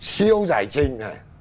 siêu giải trình